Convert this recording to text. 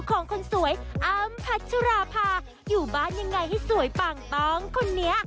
คนสวยอ้ำพัชราภาอยู่บ้านยังไงให้สวยปังต้องคนนี้